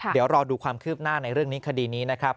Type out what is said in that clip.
เดี๋ยวรอดูความคืบหน้าในเรื่องนี้คดีนี้นะครับ